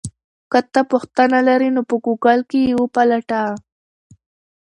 که ته پوښتنه لرې نو په ګوګل کې یې وپلټه.